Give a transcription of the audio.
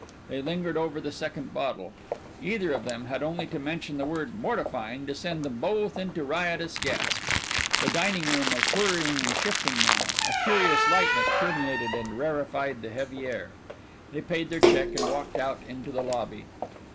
They lingered over the second bottle. Either of them had only to mention the word "mortifying" to send them both into riotous gasps. The dining room was whirring and shifting now; a curious lightness permeated and rarefied the heavy air. They paid their check and walked out into the lobby.